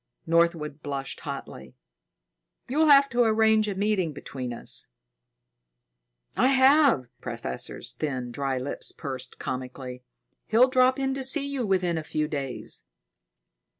Northwood blushed hotly. "You'll have to arrange a meeting between us." "I have." The professor's thin, dry lips pursed comically. "He'll drop in to see you within a few days."